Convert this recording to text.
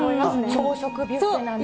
朝食ビュッフェなんて。